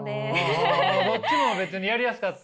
どっちも別にやりやすかった？